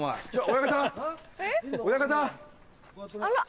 親方！